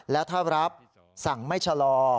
และถ้ารับสั่งไม่ชะลอ